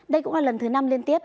đây cũng là lần thứ năm liên tiếp